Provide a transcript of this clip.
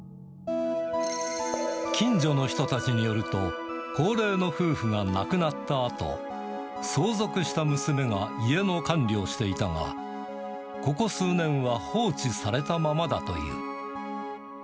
近所の人たちによると、高齢の夫婦が亡くなったあと、相続した娘が家の管理をしていたが、ここ数年は放置されたままだという。